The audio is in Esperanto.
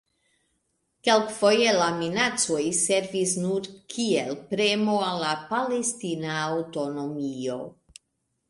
Kelkfoje la minacoj servis nur kiel premo al la palestina aŭtonomio.